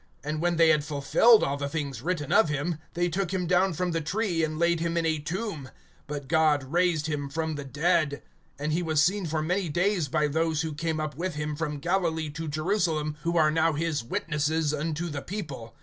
(29)And when they had fulfilled all the things written of him, they took him down from the tree, and laid him in a tomb. (30)But God raised him from the dead. (31)And he was seen for many days by those who came up with him from Galilee to Jerusalem, who are now his witnesses unto the people.